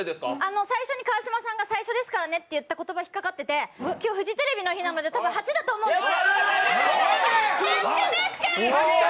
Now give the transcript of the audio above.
川島さんが最初ですからねって言った言葉がひっかかってて、今日、フジテレビの日なのでたぶん８だと思うんです！